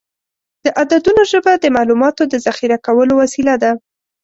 د عددونو ژبه د معلوماتو د ذخیره کولو وسیله ده.